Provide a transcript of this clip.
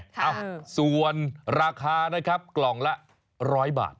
เอ้าส่วนราคานะครับกล่องละ๑๐๐บาท